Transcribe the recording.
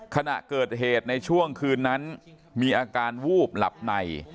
ขณะเกิดเหตุในช่วงคืนนั้นมีอาการวูบหลับใน